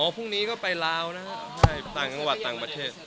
พรุ่งนี้ก็ไปลาวนะฮะใช่ต่างจังหวัดต่างประเทศ